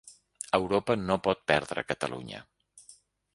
Europa no pot perdre Catalunya